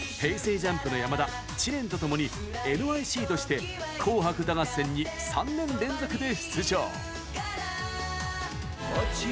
ＪＵＭＰの山田、知念とともにＮＹＣとして「紅白歌合戦」に３年連続で出場！